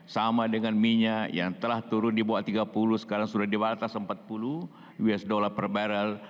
sama dengan minyak yang telah turun di bawah tiga puluh sekarang sudah di atas empat puluh usd per barrel